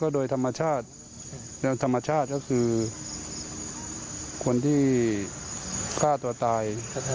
โดยธรรมชาติธรรมชาติก็คือคนที่ฆ่าตัวตาย